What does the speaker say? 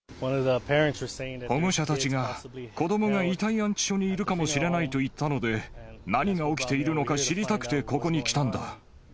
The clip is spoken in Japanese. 保護者たちが、子どもが遺体安置所にいるかもしれないと言ったので、何が起きているのか知りたくて、ここに来たんだ。